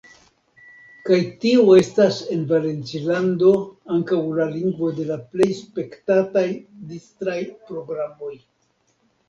Kaj tiu estas en Valencilando ankaŭ la lingvo de la plej spektataj distraj programoj.